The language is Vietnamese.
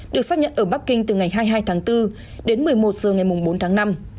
được xác nhận ở bắc kinh từ ngày hai mươi hai tháng bốn đến một mươi một h ngày bốn tháng năm